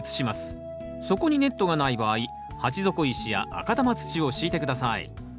底にネットがない場合鉢底石や赤玉土を敷いて下さい。